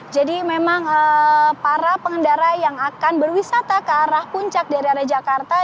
jadi memang para pengendara yang akan berwisata ke arah puncak dari rac jakarta